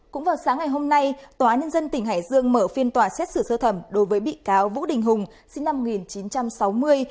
cũng vào sáng ngày hôm nay tòa nhân dân tỉnh hải dương mở phiên tòa xét xử sơ thẩm đối với bị cáo vũ đình hùng sinh năm một nghìn chín trăm sáu mươi